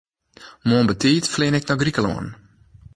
Moarn betiid flean ik nei Grikelân.